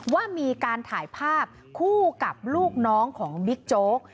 ว่ามีการถ่ายภาพคู่กับลูกน้องของบิ๊กโจ๊ก